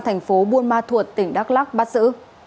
thành phố buôn ma thuột tỉnh đắk lắc bắt giữ